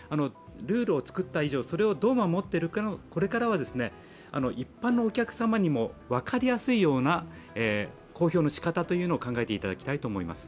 ルールを作った以上、それをどう守っているかを、これからは一般のお客様にも分かりやすいような公表の仕方を考えていただきたいと思います。